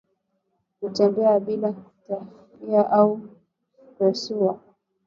Kutembea bila uthabiti au kupepesuka